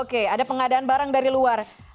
oke ada pengadaan barang dari luar